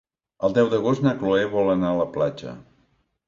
El deu d'agost na Cloè vol anar a la platja.